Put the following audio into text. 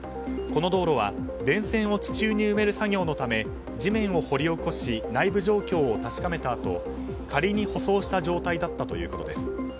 この道路は電線を地中に埋める作業のため地面を掘り起こし内部状況を確かめたあと仮に舗装した状態だったということです。